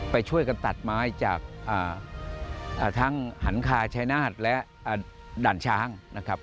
ไปช่วยกันตัดไม้จากทั้งหันคาชายนาฏและด่านช้างนะครับ